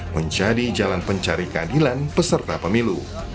menjadi jalan pencari keadilan peserta pemilu